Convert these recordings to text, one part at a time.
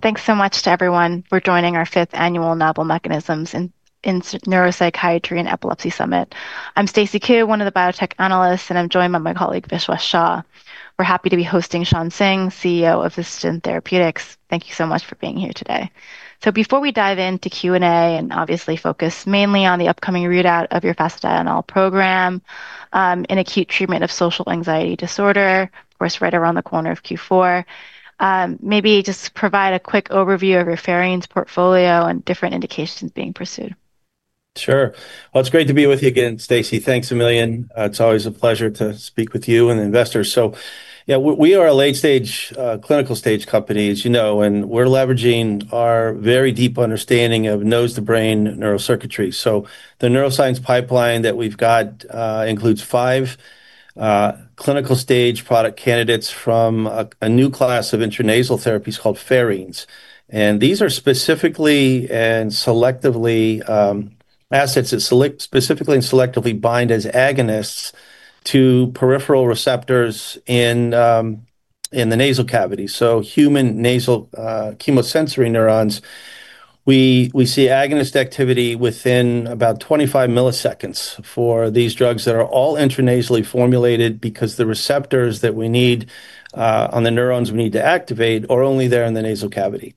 Thank you so much to everyone for joining our fifth annual Novel Mechanisms in Neuropsychiatry and Epilepsy Summit. I'm Stacy Ku, one of the biotech analysts, and I'm joined by my colleague Vishwas Shah. We're happy to be hosting Shawn K. Singh, CEO of Vistagen Therapeutics. Thank you so much for being here today. Before we dive into Q&A and obviously focus mainly on the upcoming readout of your fasedienol program in acute treatment of social anxiety disorder, of course, right around the corner in Q4, maybe just provide a quick overview of your pherine portfolio and different indications being pursued. Sure. It's great to be with you again, Stacy. Thanks a million. It's always a pleasure to speak with you and the investors. We are a late-stage, clinical-stage company, as you know, and we're leveraging our very deep understanding of nose-to-brain neurocircuitry. The neuroscience pipeline that we've got includes five clinical-stage product candidates from a new class of intranasal therapies called neuroactive pherines. These are specifically and selectively assets that specifically and selectively bind as agonists to peripheral receptors in the nasal cavity. Human nasal chemosensory neurons, we see agonist activity within about 25 milliseconds for these drugs that are all intranasally formulated because the receptors that we need, on the neurons we need to activate, are only there in the nasal cavity.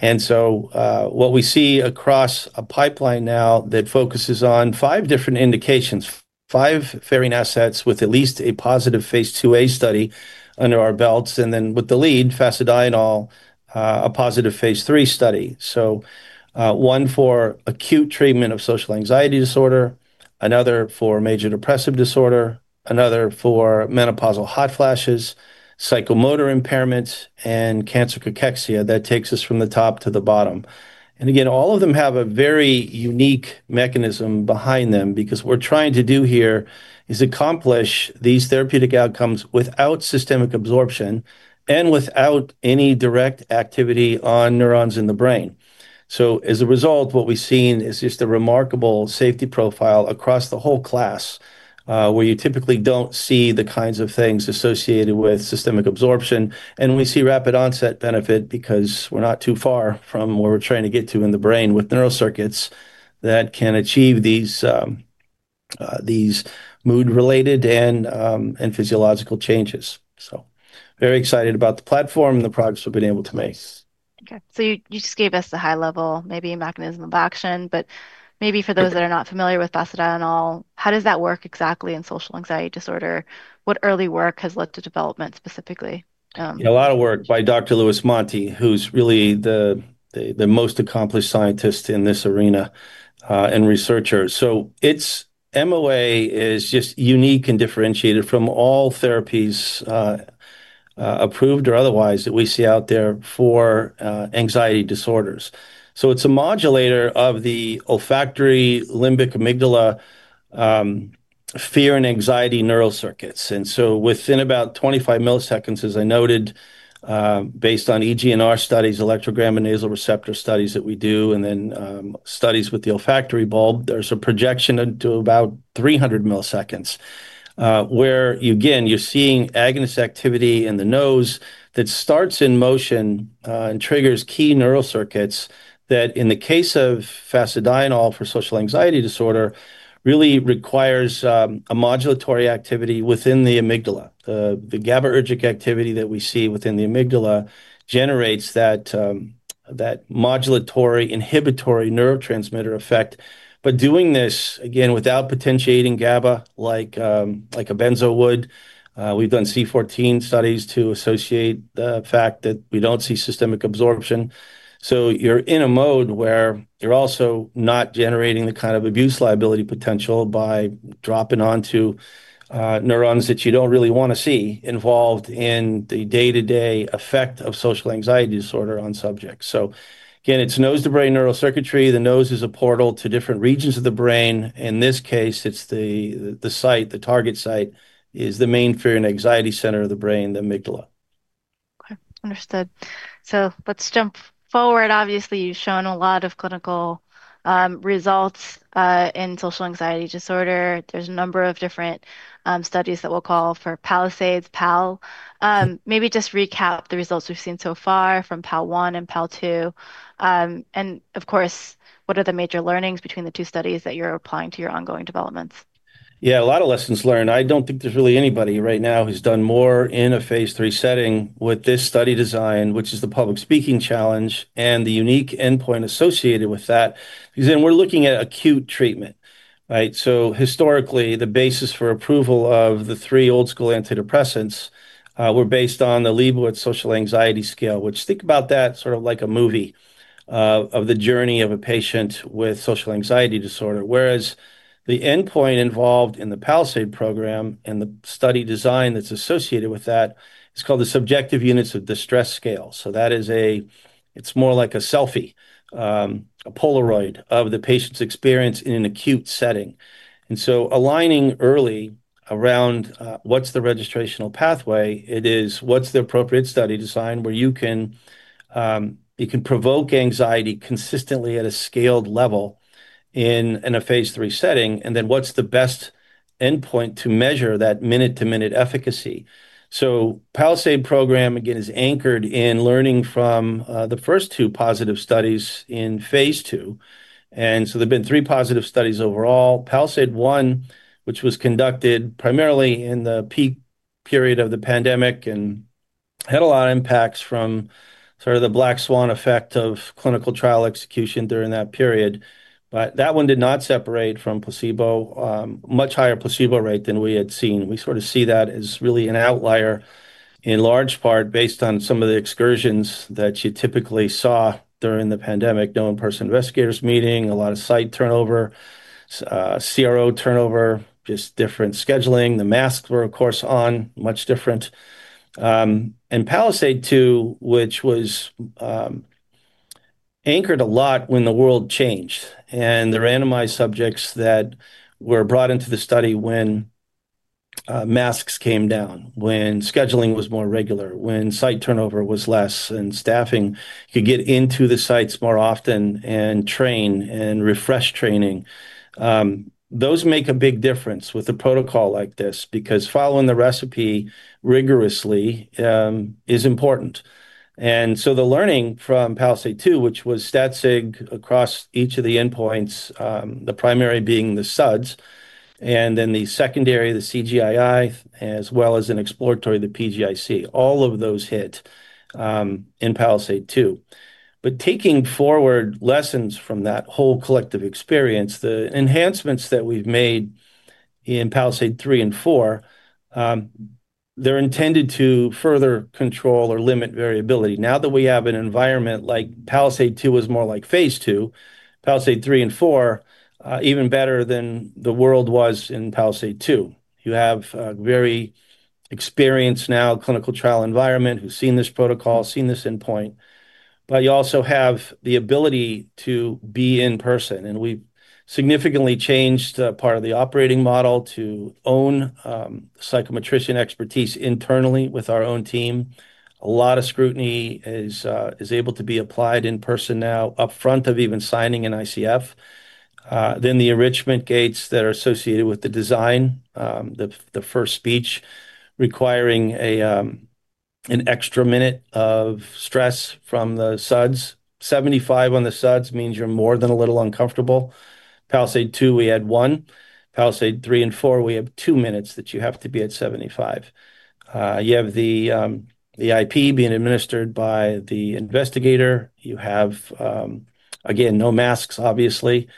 What we see across a pipeline now that focuses on five different indications, five neuroactive pherine assets with at least a positive Phase IIa study under our belts, and then with the lead fasedienol, a positive Phase III study. One for acute treatment of social anxiety disorder, another for major depressive disorder, another for menopausal hot flashes, psychomotor impairments, and cancer cachexia. That takes us from the top to the bottom. All of them have a very unique mechanism behind them because what we're trying to do here is accomplish these therapeutic outcomes without systemic absorption and without any direct activity on neurons in the brain. As a result, what we've seen is just a remarkable safety profile across the whole class, where you typically don't see the kinds of things associated with systemic absorption. We see rapid onset benefit because we're not too far from where we're trying to get to in the brain with neural circuits that can achieve these mood-related and physiological changes. Very excited about the platform and the progress we've been able to make. Okay. You just gave us the high-level, maybe a mechanism of action, but maybe for those that are not familiar with fasedienol, how does that work exactly in social anxiety disorder? What early work has led to development specifically? Yeah, a lot of work by Dr. Louis Monti, who's really the most accomplished scientist in this arena and researcher. Its MOA is just unique and differentiated from all therapies, approved or otherwise, that we see out there for anxiety disorders. It's a modulator of the olfactory-limbic-amygdala, fear and anxiety neural circuits. Within about 25 milliseconds, as I noted, based on EEG and nasal receptor studies that we do, and then studies with the olfactory bulb, there's a projection to about 300 milliseconds, where again, you're seeing agonist activity in the nose that starts in motion and triggers key neural circuits that, in the case of fasedienol for social anxiety disorder, really requires a modulatory activity within the amygdala. The GABAergic activity that we see within the amygdala generates that modulatory inhibitory neurotransmitter effect, doing this again without potentiating GABA like a benzo would. We've done C14 studies to associate the fact that we don't see systemic absorption. You're in a mode where you're also not generating the kind of abuse liability potential by dropping onto neurons that you don't really want to see involved in the day-to-day effect of social anxiety disorder on subjects. It's nose-to-brain neurocircuitry. The nose is a portal to different regions of the brain. In this case, the target site is the main fear and anxiety center of the brain, the amygdala. Okay. Understood. Let's jump forward. Obviously, you've shown a lot of clinical results in social anxiety disorder. There's a number of different studies that we'll call for PALISADEs, PAL. Maybe just recap the results we've seen so far from PALISADE-1 and PALISADE-2, and of course, what are the major learnings between the two studies that you're applying to your ongoing developments? Yeah, a lot of lessons learned. I don't think there's really anybody right now who's done more in a Phase III setting with this study design, which is the public speaking challenge and the unique endpoint associated with that. Because then we're looking at acute treatment, right? Historically, the basis for approval of the three old-school antidepressants were based on the Liebowitz Social Anxiety Scale, which, think about that sort of like a movie of the journey of a patient with social anxiety disorder. The endpoint involved in the PALISADE program and the study design that's associated with that is called the Subjective Units of Distress Scale. That is more like a selfie, a Polaroid of the patient's experience in an acute setting. Aligning early around what's the registrational pathway, it is what's the appropriate study design where you can provoke anxiety consistently at a scaled level in a Phase III setting. What's the best endpoint to measure that minute-to-minute efficacy? The PALISADE program, again, is anchored in learning from the first two positive studies in Phase II. There have been three positive studies overall. PALISADE-1, which was conducted primarily in the peak period of the pandemic and had a lot of impacts from sort of the black swan effect of clinical trial execution during that period, did not separate from placebo, a much higher placebo rate than we had seen. We sort of see that as really an outlier in large part based on some of the excursions that you typically saw during the pandemic, no in-person investigators meeting, a lot of site turnover, CRO turnover, just different scheduling. The masks were, of course, on much different. PALISADE-2, which was anchored a lot when the world changed, and the randomized subjects that were brought into the study when masks came down, when scheduling was more regular, when site turnover was less, and staffing could get into the sites more often and train and refresh training, those make a big difference with a protocol like this because following the recipe rigorously is important. The learning from PALISADE-2, which was stat-sig across each of the endpoints, the primary being the SUDS, and then the secondary, the CGI-I, as well as an exploratory, the PGIC, all of those hit in PALISADE-2. Taking forward lessons from that whole collective experience, the enhancements that we've made in PALISADE-3 and PALISADE-4 are intended to further control or limit variability. Now that we have an environment like PALISADE-2, which was more like Phase II, PALISADE-3 and PALISADE-4 are even better than the world was in PALISADE-2. You have a very experienced now clinical trial environment who's seen this protocol, seen this endpoint, but you also have the ability to be in person. We've significantly changed part of the operating model to own psychometrician expertise internally with our own team. A lot of scrutiny is able to be applied in person now up front of even signing an ICF. The enrichment gates that are associated with the design, the first speech requiring an extra minute of stress from the SUDS. 75 on the SUDS means you're more than a little uncomfortable. PALISADE-2, we had one. PALISADE-3 and PALISADE-4, we have two minutes that you have to be at 75. You have the IP being administered by the investigator. You have, again, no masks, obviously.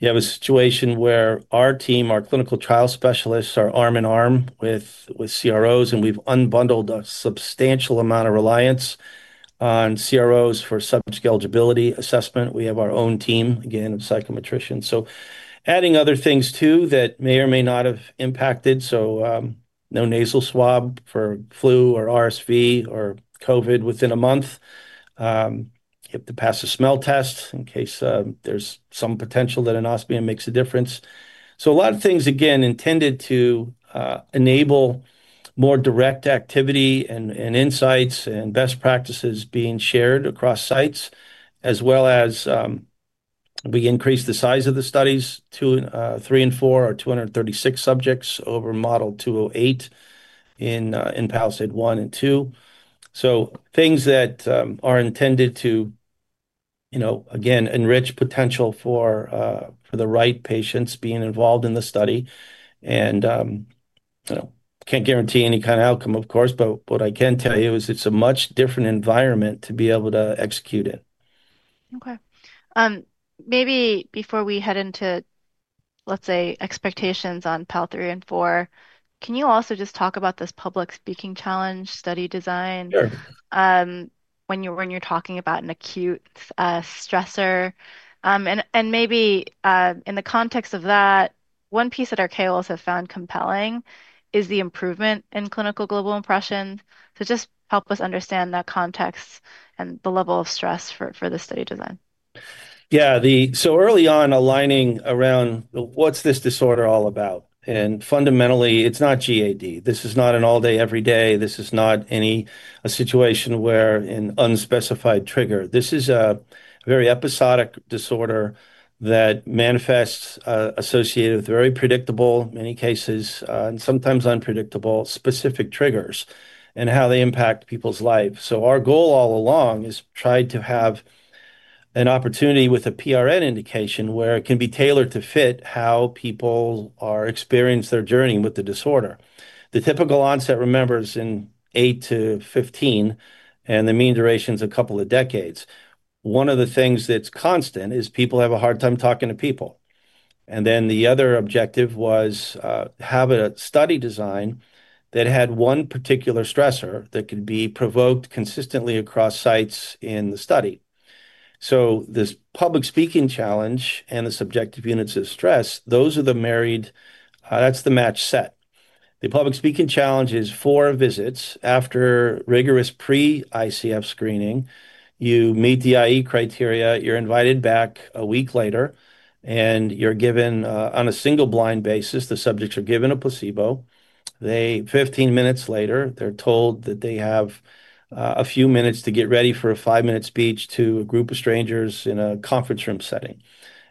You have a situation where our team, our clinical trial specialists, are arm in arm with CROs, and we've unbundled a substantial amount of reliance on CROs for subject eligibility assessment. We have our own team, again, of psychometricians. Adding other things too that may or may not have impacted. No nasal swab for flu or RSV or COVID within a month. You have to pass a smell test in case there's some potential that an anosmia makes a difference. A lot of things, again, intended to enable more direct activity and insights and best practices being shared across sites, as well as we increased the size of the studies to PALISADE-3 and PALISADE-4, or 236 subjects over model 208 in PALISADE-1 and PALISADE-2. Things that are intended to, you know, again, enrich potential for the right patients being involved in the study. I can't guarantee any kind of outcome, of course, but what I can tell you is it's a much different environment to be able to execute it. Okay. Maybe before we head into, let's say, expectations on PALISADE-3 and PALISADE-4, can you also just talk about this public speaking challenge study design when you're talking about an acute stressor? Maybe in the context of that, one piece that our KOLs have found compelling is the improvement in clinical global impression. Just help us understand that context and the level of stress for the study design. Yeah. Early on, aligning around what's this disorder all about? Fundamentally, it's not GAD. This is not an all-day every day. This is not a situation where an unspecified trigger. This is a very episodic disorder that manifests associated with very predictable, in many cases, and sometimes unpredictable specific triggers and how they impact people's life. Our goal all along is to try to have an opportunity with a PRN indication where it can be tailored to fit how people experience their journey with the disorder. The typical onset remembers in 8 to 15, and the mean duration is a couple of decades. One of the things that's constant is people have a hard time talking to people. The other objective was to have a study design that had one particular stressor that could be provoked consistently across sites in the study. This public speaking challenge and the subjective units of stress, those are the married, that's the match set. The public speaking challenge is four visits after rigorous pre-ICF screening. You meet the IE criteria. You're invited back a week later, and you're given, on a single blind basis, the subjects are given a placebo. Fifteen minutes later, they're told that they have a few minutes to get ready for a five-minute speech to a group of strangers in a conference room setting.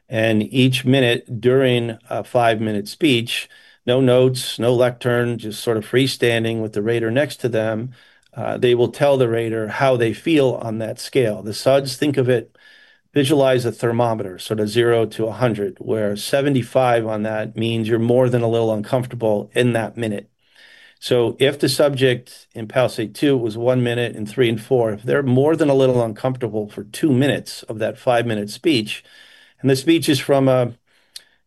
Each minute during a five-minute speech, no notes, no lectern, just sort of freestanding with the rater next to them, they will tell the rater how they feel on that scale. The SUDS, think of it, visualize a thermometer, sort of 0 to 100, where 75 on that means you're more than a little uncomfortable in that minute. If the subject in PALISADE-2 was one minute in III and IV, if they're more than a little uncomfortable for two minutes of that five-minute speech, and the speech is from a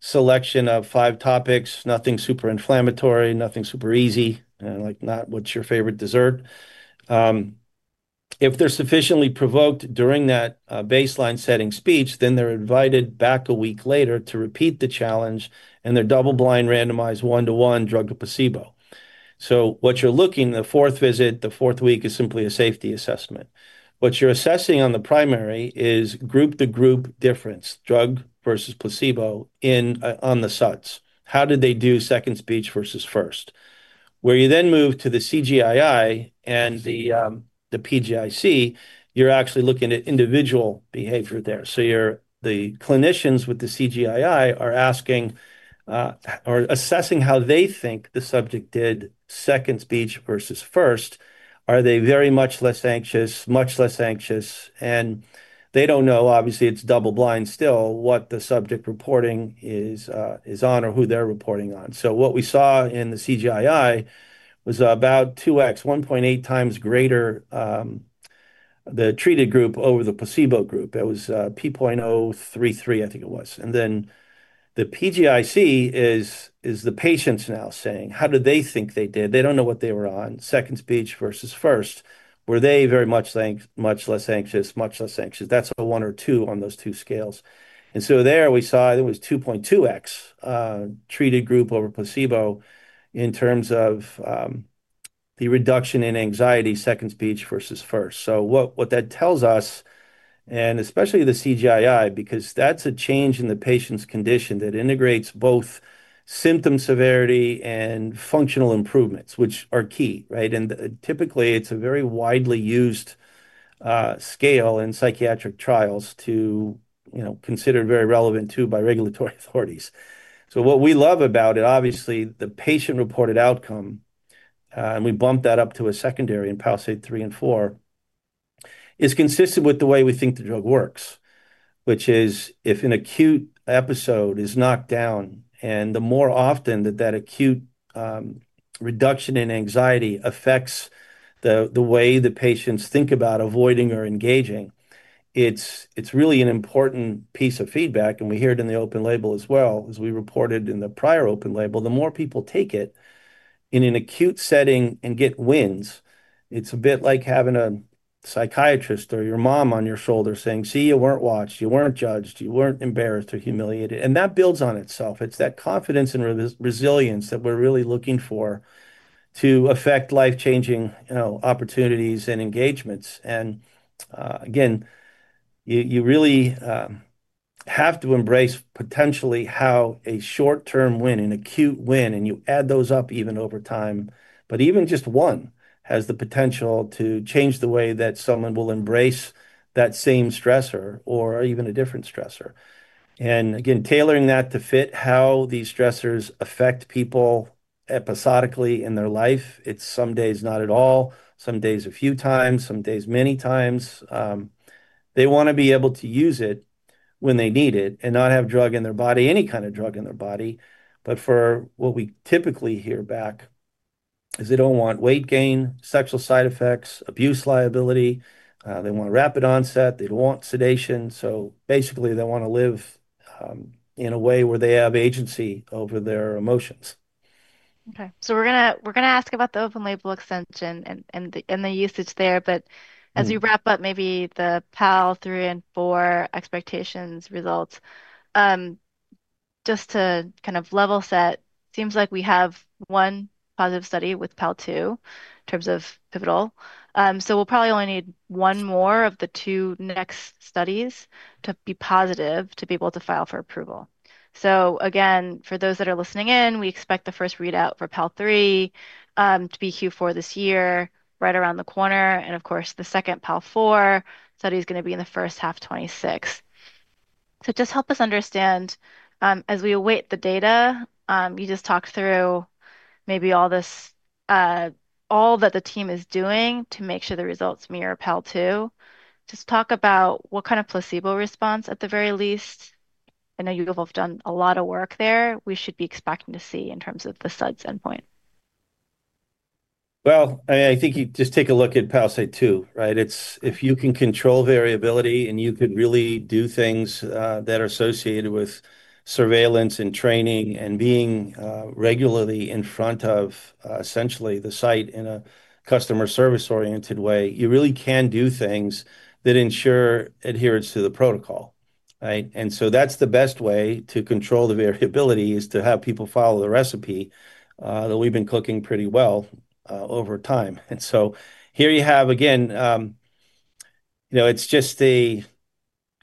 selection of five topics, nothing super inflammatory, nothing super easy, like not what's your favorite dessert. If they're sufficiently provoked during that baseline setting speech, they're invited back a week later to repeat the challenge, and they're double blind randomized one-to-one drug to placebo. What you're looking at the fourth visit, the fourth week is simply a safety assessment. What you're assessing on the primary is group-to-group difference, drug versus placebo on the SUDS. How did they do second speech versus first? Where you then move to the CGII and the PGIC, you're actually looking at individual behavior there. The clinicians with the CGII are asking or assessing how they think the subject did second speech versus first. Are they very much less anxious, much less anxious? They do not know, obviously, it is double blind still, what the subject reporting is on or who they are reporting on. What we saw in the CGII was about 2X, 1.8 times greater the treated group over the placebo group. It was P=0.33, I think it was. The PGIC is the patients now saying, how did they think they did? They do not know what they were on second speech versus first. Were they very much less anxious, much less anxious? That is a one or two on those two scales. There we saw there was 2.2X treated group over placebo in terms of the reduction in anxiety second speech versus first. What that tells us, and especially the CGII, because that is a change in the patient's condition that integrates both symptom severity and functional improvements, which are key, right? Typically, it is a very widely used scale in psychiatric trials, considered very relevant too by regulatory authorities. What we love about it, obviously, the patient-reported outcome, and we bumped that up to a secondary in PALISADE-3 and PALISADE-4, is consistent with the way we think the drug works, which is if an acute episode is knocked down, and the more often that that acute reduction in anxiety affects the way the patients think about avoiding or engaging, it is really an important piece of feedback. We hear it in the open-label as well, as we reported in the prior open-label. The more people take it in an acute setting and get wins, it is a bit like having a psychiatrist or your mom on your shoulder saying, "See, you were not watched, you were not judged, you were not embarrassed or humiliated." That builds on itself. It is that confidence and resilience that we are really looking for to affect life-changing opportunities and engagements. You really have to embrace potentially how a short-term win, an acute win, and you add those up even over time. Even just one has the potential to change the way that someone will embrace that same stressor or even a different stressor. Tailoring that to fit how these stressors affect people episodically in their life, it is some days not at all, some days a few times, some days many times. They want to be able to use it when they need it and not have drug in their body, any kind of drug in their body. What we typically hear back is they don't want weight gain, sexual side effects, abuse liability. They want rapid onset. They don't want sedation. Basically, they want to live in a way where they have agency over their emotions. Okay. We're going to ask about the open-label extension and the usage there. As you wrap up, maybe the PALISADE-3 and PALISADE-4 expectations, results, just to kind of level set, it seems like we have one positive study with PALISADE-2 in terms of pivotal. We'll probably only need one more of the two next studies to be positive to be able to file for approval. For those that are listening in, we expect the first readout for PALISADE-3 to be Q4 this year, right around the corner. The second PALISADE-4 study is going to be in the first half of 2026. Help us understand, as we await the data, you just talked through maybe all this, all that the team is doing to make sure the results mirror PALISADE-2. Talk about what kind of placebo response at the very least. I know you all have done a lot of work there. We should be expecting to see in terms of the SUDS endpoint. I think you just take a look at PALISADE-2, right? If you can control variability and you could really do things that are associated with surveillance and training and being regularly in front of essentially the site in a customer service-oriented way, you really can do things that ensure adherence to the protocol, right? That's the best way to control the variability, to have people follow the recipe that we've been cooking pretty well over time. Here you have, again, you know, it's just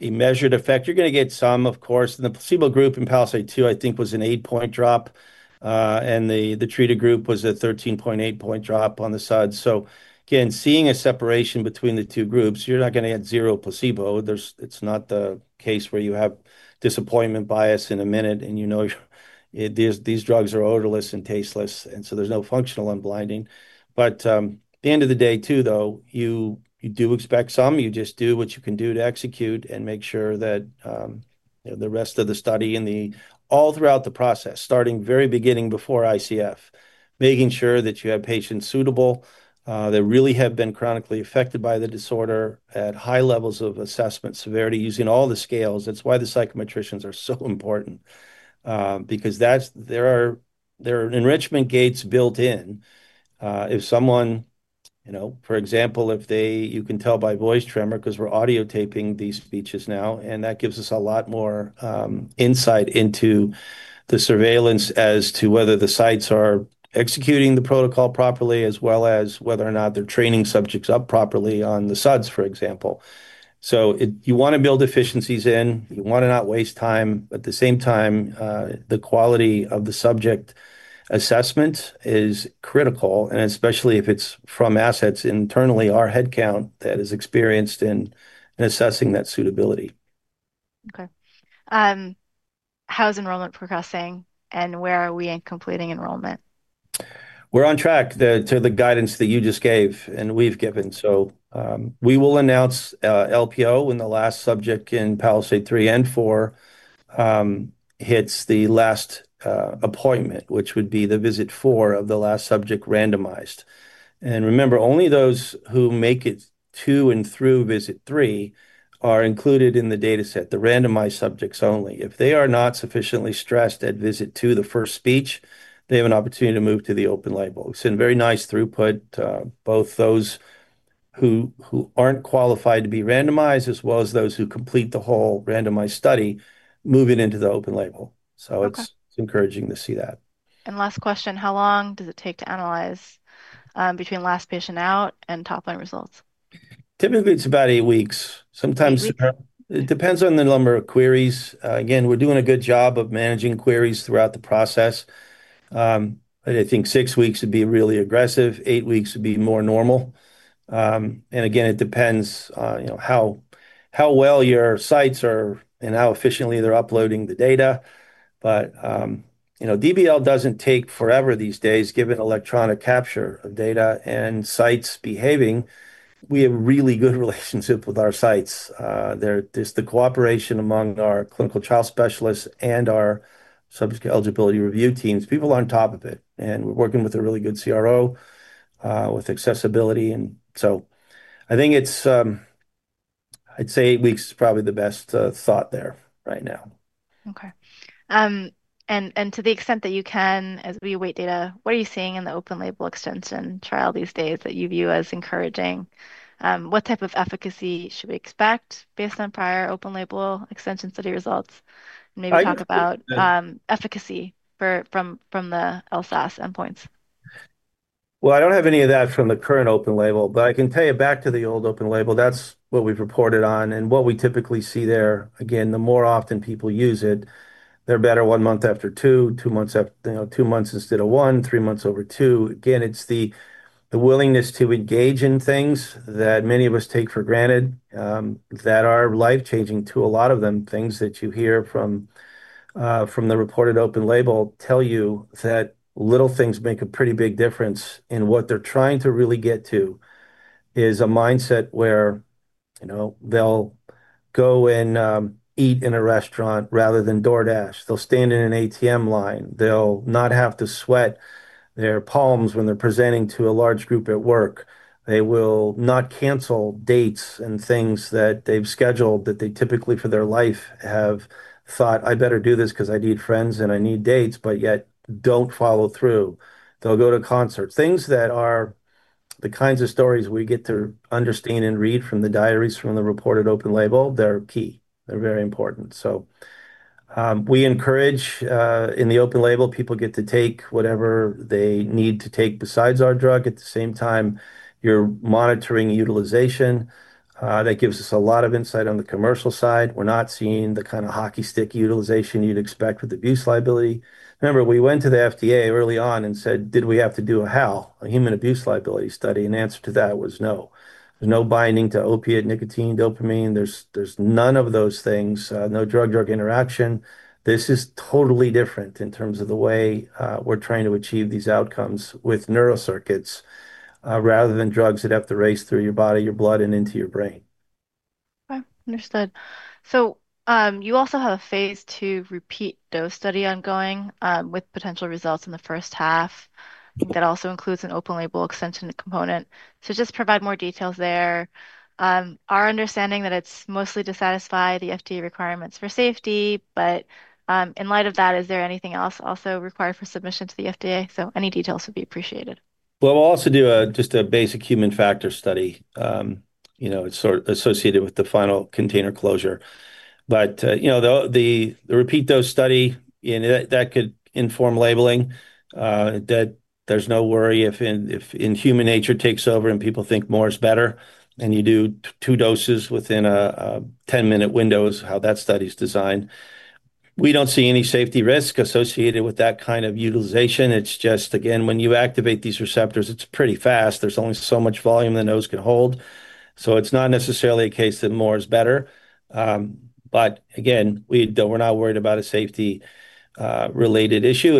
a measured effect. You're going to get some, of course, in the placebo group. In PALISADE-2, I think it was an 8-point drop, and the treated group was a 13.8-point drop on the SUDS. Again, seeing a separation between the two groups, you're not going to add zero placebo. It's not the case where you have disappointment bias in a minute and you know these drugs are odorless and tasteless, so there's no functional unblinding. At the end of the day, too, though, you do expect some. You just do what you can do to execute and make sure that the rest of the study and all throughout the process, starting very beginning before ICF, making sure that you have patients suitable, they really have been chronically affected by the disorder at high levels of assessment severity using all the scales. That's why the psychometricians are so important, because there are enrichment gates built in. If someone, you know, for example, if they, you can tell by voice tremor because we're audiotaping these speeches now, and that gives us a lot more insight into the surveillance as to whether the sites are executing the protocol properly, as well as whether or not they're training subjects up properly on the SUDS, for example. You want to build efficiencies in. You want to not waste time. At the same time, the quality of the subject assessment is critical, and especially if it's from assets internally, our headcount that is experienced in assessing that suitability. Okay. How is enrollment progressing, and where are we in completing enrollment? We're on track to the guidance that you just gave and we've given. We will announce LPO when the last subject in PALISADE-3 and PALISADE-4 hits the last appointment, which would be the visit IV of the last subject randomized. Remember, only those who make it to and through visit III are included in the dataset, the randomized subjects only. If they are not sufficiently stressed at visit II, the first speech, they have an opportunity to move to the open-label. It's a very nice throughput, both those who aren't qualified to be randomized as well as those who complete the whole randomized study, moving into the open-label. It's encouraging to see that. How long does it take to analyze between last patient out and top line results? Typically, it's about eight weeks. Sometimes it depends on the number of queries. We're doing a good job of managing queries throughout the process. I think six weeks would be really aggressive. Eight weeks would be more normal. It depends how well your sites are and how efficiently they're uploading the data. DBL doesn't take forever these days, given electronic capture of data and sites behaving. We have a really good relationship with our sites. There's the cooperation among our clinical trial specialists and our subject eligibility review teams. People are on top of it. We're working with a really good CRO with accessibility. I think eight weeks is probably the best thought there right now. Okay. To the extent that you can, as we await data, what are you seeing in the open-label extension trial these days that you view as encouraging? What type of efficacy should we expect based on prior open-label extension study results? Maybe talk about efficacy from the LSAS endpoints. I don't have any of that from the current open-label, but I can tell you back to the old open-label. That's what we've reported on. What we typically see there, again, the more often people use it, they're better one month after two, two months instead of one, three months over two. It's the willingness to engage in things that many of us take for granted that are life-changing to a lot of them. Things that you hear from the reported open-label tell you that little things make a pretty big difference. What they're trying to really get to is a mindset where, you know, they'll go and eat in a restaurant rather than DoorDash. They'll stand in an ATM line. They'll not have to sweat their palms when they're presenting to a large group at work. They will not cancel dates and things that they've scheduled that they typically for their life have thought, "I better do this because I need friends and I need dates," but yet don't follow through. They'll go to concerts. Things that are the kinds of stories we get to understand and read from the diaries from the reported open-label, they're key. They're very important. We encourage in the open-label, people get to take whatever they need to take besides our drug. At the same time, you're monitoring utilization. That gives us a lot of insight on the commercial side. We're not seeing the kind of hockey stick utilization you'd expect with abuse liability. Remember, we went to the FDA early on and said, "Did we have to do a HAL, a human abuse liability study?" The answer to that was no. There's no binding to opiate, nicotine, dopamine. There's none of those things. No drug-drug interaction. This is totally different in terms of the way we're trying to achieve these outcomes with neurocircuits rather than drugs that have to race through your body, your blood, and into your brain. Okay. Understood. You also have a Phase II repeat dose study ongoing with potential results in the first half. I think that also includes an open-label extension component. Please provide more details there. Our understanding is that it's mostly to satisfy the FDA requirements for safety. In light of that, is there anything else required for submission to the FDA? Any details would be appreciated. We will also do just a basic human factor study. It's sort of associated with the final container closure. The repeat dose study could inform labeling that there's no worry if in human nature takes over and people think more is better. You do two doses within a 10-minute window, which is how that study is designed. We don't see any safety risk associated with that kind of utilization. It's just, again, when you activate these receptors, it's pretty fast. There's only so much volume the nose can hold. It's not necessarily a case that more is better. We're not worried about a safety-related issue.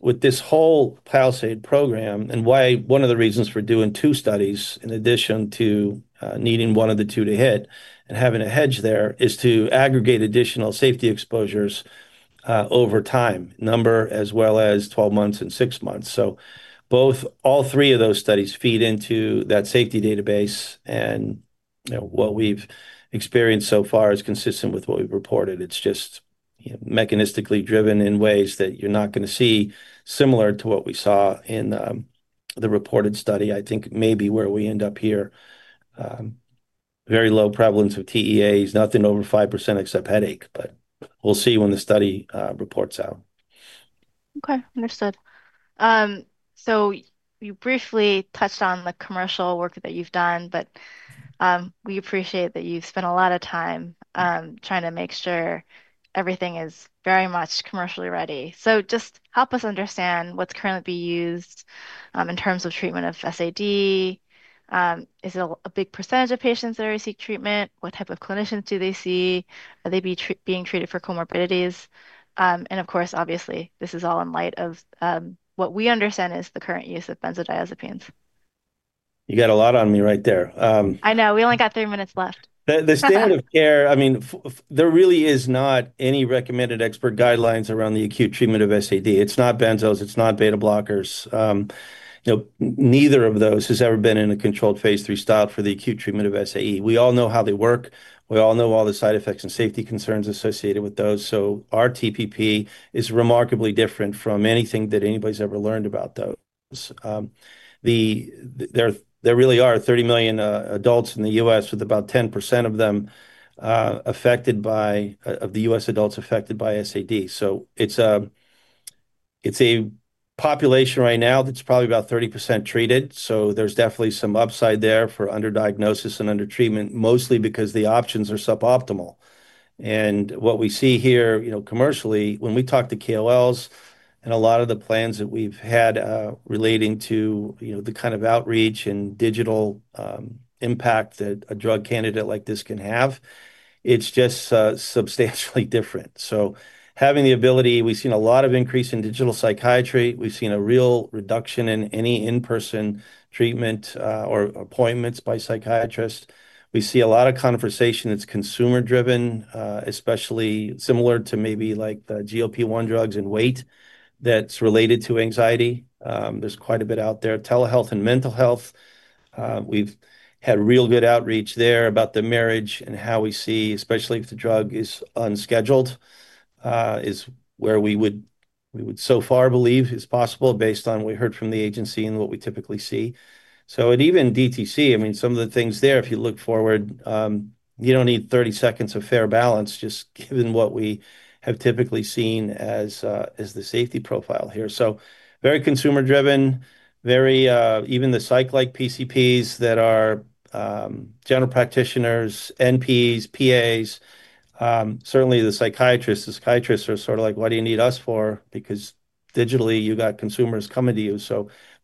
With this whole PALISADE program, one of the reasons for doing two studies in addition to needing one of the two to hit and having a hedge there is to aggregate additional safety exposures over time, number as well as 12 months and six months. All three of those studies feed into that safety database. What we've experienced so far is consistent with what we've reported. It's just mechanistically driven in ways that you're not going to see, similar to what we saw in the reported study. I think maybe where we end up here, very low prevalence of TEAEs, nothing over 5% except headache. We'll see when the study reports out. Okay. Understood. You briefly touched on the commercial work that you've done, but we appreciate that you spent a lot of time trying to make sure everything is very much commercially ready. Just help us understand what's currently being used in terms of treatment of SAD. Is it a big % of patients that are receiving treatment? What type of clinicians do they see? Are they being treated for comorbidities? Of course, obviously, this is all in light of what we understand is the current use of benzodiazepines. You got a lot on me right there. I know. We only got three minutes left. The standard of care, I mean, there really is not any recommended expert guidelines around the acute treatment of SAD. It's not benzos. It's not beta blockers. Neither of those has ever been in a controlled Phase III study for the acute treatment of SAD. We all know how they work. We all know all the side effects and safety concerns associated with those. Our TPP is remarkably different from anything that anybody's ever learned about those. There really are 30 million adults in the U.S. with about 10% of U.S. adults affected by SAD. It's a population right now that's probably about 30% treated. There's definitely some upside there for under diagnosis and under treatment, mostly because the options are suboptimal. What we see here, commercially, when we talk to KOLs and a lot of the plans that we've had relating to the kind of outreach and digital impact that a drug candidate like this can have, it's just substantially different. Having the ability, we've seen a lot of increase in digital psychiatry. We've seen a real reduction in any in-person treatment or appointments by psychiatrists. We see a lot of conversation that's consumer-driven, especially similar to maybe like the GLP-1 drugs and weight that's related to anxiety. There's quite a bit out there. Telehealth and mental health, we've had real good outreach there about the marriage and how we see, especially if the drug is unscheduled, is where we would, we would so far believe is possible based on what we heard from the agency and what we typically see. Even DTC, I mean, some of the things there, if you look forward, you don't need 30 seconds of fair balance, just given what we have typically seen as the safety profile here. Very consumer-driven, very, even the psych-like PCPs that are general practitioners, NPs, PAs, certainly the psychiatrists. The psychiatrists are sort of like, "What do you need us for?" because digitally, you've got consumers coming to you.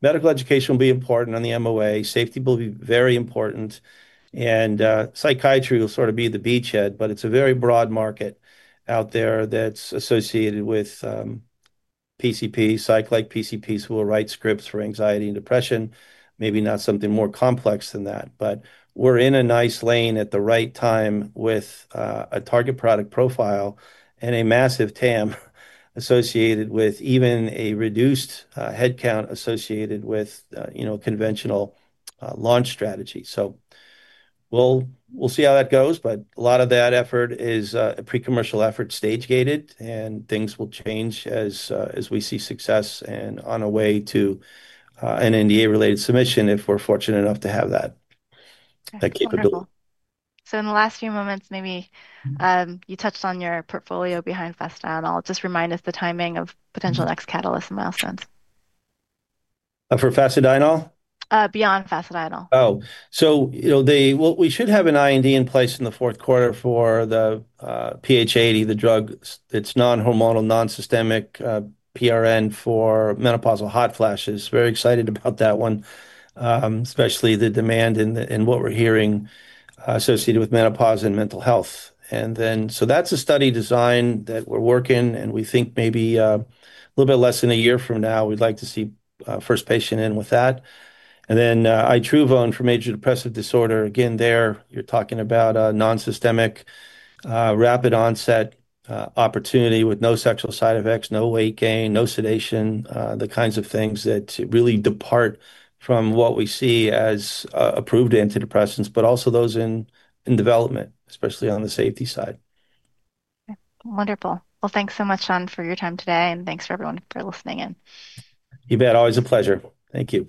Medical education will be important on the MOA. Safety will be very important. Psychiatry will sort of be the beachhead, but it's a very broad market out there that's associated with PCP, psych-like PCPs who will write scripts for anxiety and depression. Maybe not something more complex than that. We're in a nice lane at the right time with a target product profile and a massive TAM associated with even a reduced headcount associated with conventional launch strategy. We'll see how that goes, but a lot of that effort is a pre-commercial effort stage-gated, and things will change as we see success and on our way to an NDA-related submission if we're fortunate enough to have that capability. Wonderful. In the last few moments, maybe you touched on your portfolio behind fasedienol. Just remind us the timing of potential next catalyst in the last sentence. For fasedienol? Beyond fasedienol. Oh, you know, we should have an IND in place in the fourth quarter for PH80, the drug that's non-hormonal, non-systemic PRN for menopausal hot flashes. Very excited about that one, especially the demand and what we're hearing associated with menopause and mental health. That's a study design that we're working, and we think maybe a little bit less than a year from now, we'd like to see our first patient in with that. iTRUVON for major depressive disorder, again, there, you're talking about a non-systemic rapid onset opportunity with no sexual side effects, no weight gain, no sedation, the kinds of things that really depart from what we see as approved antidepressants, but also those in development, especially on the safety side. Wonderful. Thank you so much, Shawn, for your time today, and thanks to everyone for listening in. You bet. Always a pleasure. Thank you.